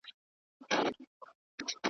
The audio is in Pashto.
نه به ږغ د محتسب وي نه دُره نه به جنون وي .